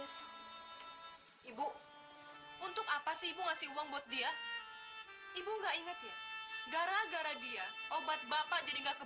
sampai jumpa di video selanjutnya